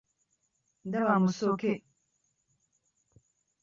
Ndaba Musoke.